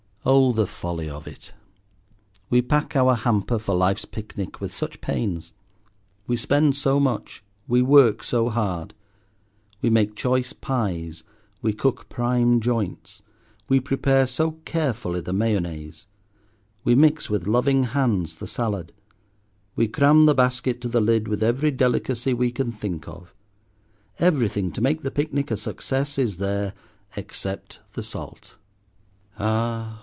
Oh! the folly of it. We pack our hamper for life's picnic with such pains. We spend so much, we work so hard. We make choice pies, we cook prime joints, we prepare so carefully the mayonnaise, we mix with loving hands the salad, we cram the basket to the lid with every delicacy we can think of. Everything to make the picnic a success is there except the salt. Ah!